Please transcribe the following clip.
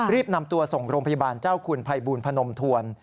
นำตัวส่งโรงพยาบาลเจ้าคุณภัยบูลพนมทวน